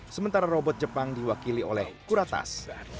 sementara robot jepang diwakili oleh kuratas